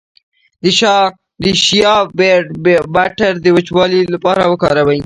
د شیا بټر د وچوالي لپاره وکاروئ